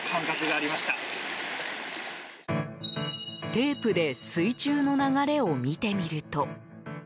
テープで水中の流れを見てみると。